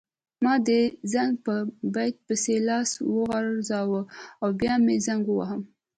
ما د زنګ په بټن پسې لاس وروغځاوه او بیا مې زنګ وواهه.